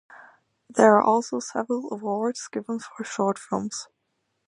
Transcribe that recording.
There are also several awards given for short films.